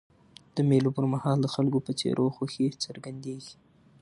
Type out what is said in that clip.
د مېلو پر مهال د خلکو پر څېرو خوښي څرګندېږي.